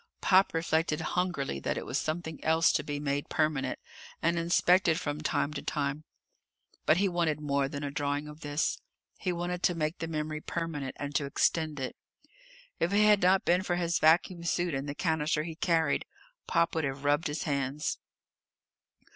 Pop reflected hungrily that it was something else to be made permanent and inspected from time to time. But he wanted more than a drawing of this! He wanted to make the memory permanent and to extend it If it had not been for his vacuum suit and the cannister he carried, Pop would have rubbed his hands.